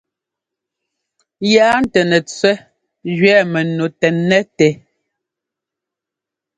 Yaa ntɛ́ nɛtẅɛ́ gẅɛɛ mɛnu tɛ́nnɛ́ tɛ.